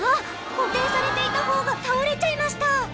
固定されていた方が倒れちゃいました。